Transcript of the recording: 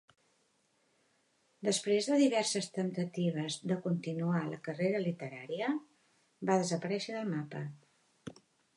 Després de diverses temptatives de continuar la carrera literària va desaparèixer del mapa.